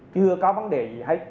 chưa có vấn đề gì hết